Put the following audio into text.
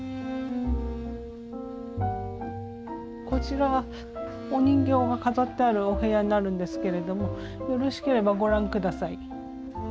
こちらはお人形が飾ってあるお部屋になるんですけれどもよろしければご覧下さい。